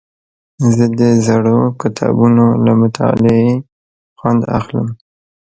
زه د زړو کتابونو له مطالعې خوند اخلم.